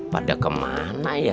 pada kemana ya